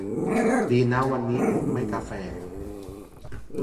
ดีนะวันนี้ผมไม่กาแฟ